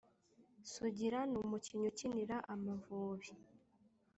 Sugira n’umukinyi ukinira amavubi